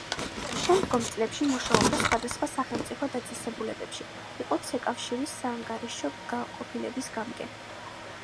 შემდგომ წლებში მუშაობდა სხვადასხვა სახელმწიფო დაწესებულებებში: იყო „ცეკავშირის“ საანგარიშო განყოფილების გამგე.